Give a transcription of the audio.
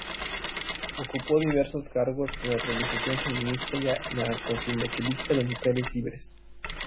Ocupó diversos cargos en la organización feminista y anarcosindicalista Mujeres Libres.